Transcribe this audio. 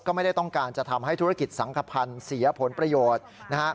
ก็ไม่ได้ต้องการจะทำให้ธุรกิจสังขพันธ์เสียผลประโยชน์นะฮะ